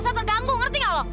ngerasa terganggu ngerti gak lo